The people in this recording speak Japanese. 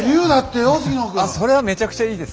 あそれはめちゃくちゃいいです。